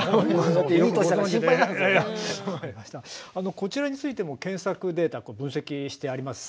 こちらについても検索データを分析してあります。